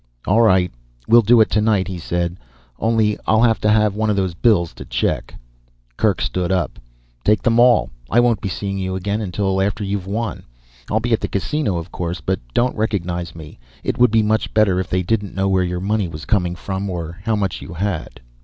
"All right, we'll do it tonight," he said. "Only I'll have to have one of those bills to check." Kerk stood up to go. "Take them all, I won't be seeing you again until after you've won. I'll be at the Casino of course, but don't recognize me. It would be much better if they didn't know where your money was coming from or how much you had."